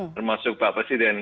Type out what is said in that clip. termasuk pak presiden